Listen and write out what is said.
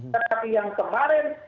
tetapi yang kemarin